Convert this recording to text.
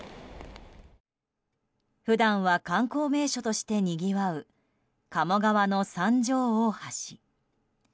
普段は、観光名所としてにぎわう鴨川の三条大橋。